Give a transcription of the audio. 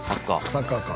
サッカーか。